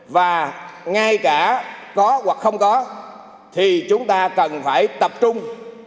và ngay cả có hoặc không có thì chúng ta cần phải tập trung